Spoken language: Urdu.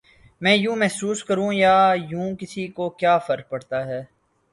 میں یوں محسوس کروں یا یوں، کسی کو کیا فرق پڑتا ہے؟